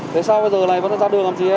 thế sao giờ này vẫn ra đường làm gì em